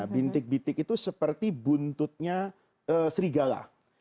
bintik bintik itu seperti buntutnya serigala